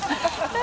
「何？